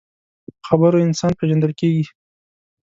په خبرو انسان پیژندل کېږي